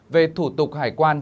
về thủ tục hải quan